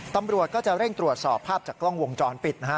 ตำรวจก็จะเร่งตรวจสอบภาพจากกล้องวงจรปิดนะฮะ